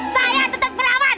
saya tetap berawan